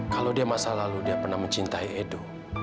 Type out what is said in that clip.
kalau dia masa lalu dia pernah mencintai edo